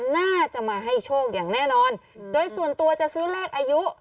น่าจะมาให้โชคอย่างแน่นอนโดยส่วนตัวจะซื้อเลขอายุ